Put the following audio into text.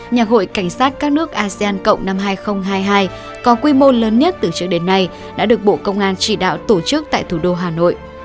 nhà hội cảnh sát các nước asean cộng năm hai nghìn hai mươi hai có quy mô lớn nhất từ trước đến nay đã được bộ công an chỉ đạo tổ chức tại thủ đô hà nội